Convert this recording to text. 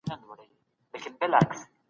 سياست پوهنه د ټولنيزو علومو مهمه څانګه ده.